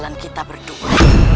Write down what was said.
dan kita akan berdua